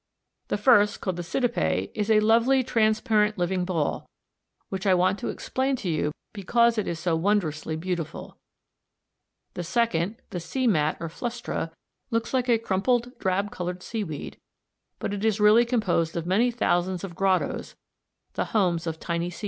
The first, called the Cydippe, is a lovely, transparent living ball, which I want to explain to you because it is so wondrously beautiful. The second, the Sea mat or Flustra, looks like a crumpled drab coloured seaweed, but is really composed of many thousands of grottos, the homes of tiny sea animals.